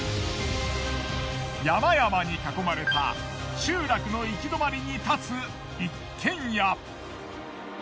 山々に囲まれた集落の行き止まりに建つ一軒家。